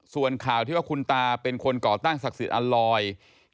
ส่วนข่าวที่ว่าคุณตาเป็นคนก่อตั้งศักดิ์สิทธิ์อัลลอย